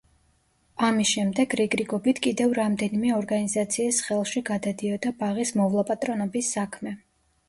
ამის შემდეგ რიგრიგობით კიდევ რამდენიმე ორგანიზაციის ხელში გადადიოდა ბაღის მოვლა-პატრონობის საქმე.